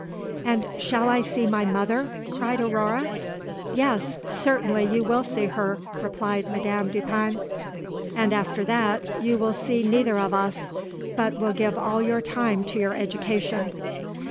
'And shall I see my mother?' cried Aurore. 'Yes; certainly you will see her,' replied Madame Dupin; 'and after that you will see neither of us, but will give all your time to your education.'